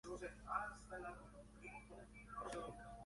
Además actuó en los filmes "The Secret Fury" y "Mr.